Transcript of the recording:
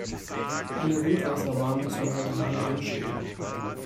An der Wildwasserbahn muss man heute lange anstehen.